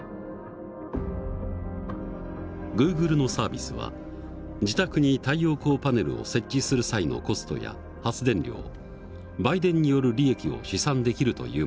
グーグルのサービスは自宅に太陽光パネルを設置する際のコストや発電量売電による利益を試算できるというもの。